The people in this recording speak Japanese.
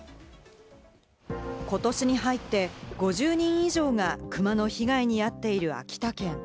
ことしに入って５０人以上がクマの被害に遭っている秋田県。